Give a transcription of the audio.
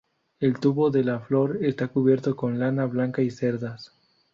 El tubo de la flor está cubierto con lana blanca y cerdas.